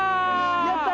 やった！